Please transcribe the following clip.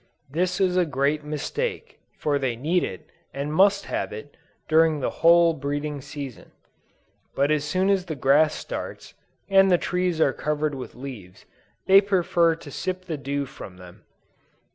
This is a great mistake, for they need it, and must have it, during the whole breeding season. But as soon as the grass starts, and the trees are covered with leaves, they prefer to sip the dew from them.